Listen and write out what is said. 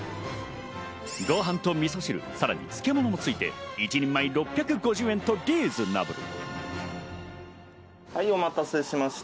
ご飯とみそ汁、さらに漬物がついて一人前６５０円とリーズナブル。